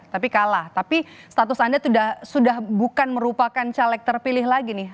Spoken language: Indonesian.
tapi kalah tapi status anda sudah bukan merupakan caleg terpilih lagi nih